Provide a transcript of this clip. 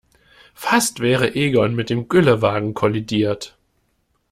Fast wäre Egon mit dem Güllewagen kollidiert.